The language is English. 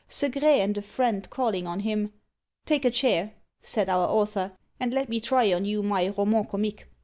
Segrais and a friend calling on him, "Take a chair," said our author, "and let me try on you my 'Roman Comique.'"